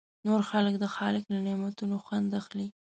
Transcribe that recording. نور خلک د خالق له نعمتونو خوند اخلي.